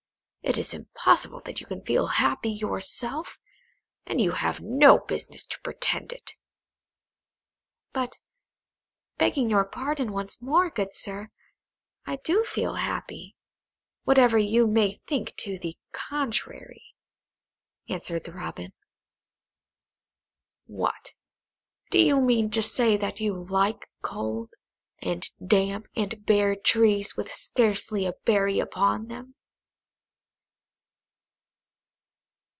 It is impossible that you can feel happy yourself, and you have no business to pretend to it." "But, begging your pardon once more, good sir, I do feel happy, whatever you may think to the contrary," answered the Robin. "What, do you mean to say that you like cold, and damp, and bare trees, with scarcely a berry upon them?"